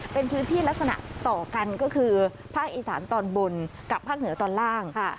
เป็นพื้นที่ลักษณะต่อกันก็คือภาคอีสานตอนบนกับภาคเหนือตอนล่าง